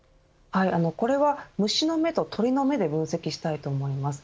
これは、虫の目と鳥の目で分析したいと思います。